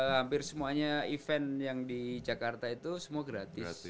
hampir semuanya event yang di jakarta itu semua gratis